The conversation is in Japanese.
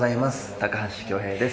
高橋恭平です。